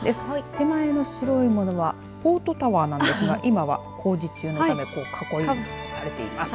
手前の白いものはポートタワーなんですが今は工事中のため囲いがされています。